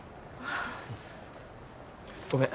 ごめん